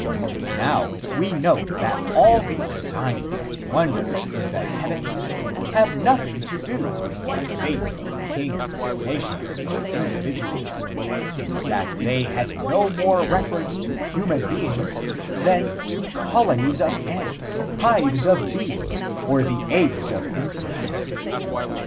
Now we know that all these signs and wonders in the heavens have nothing to do with the fate of kings, nations or individuals; that they had no more reference to human beings than to colonies of ants, hives of bees or the eggs of insects.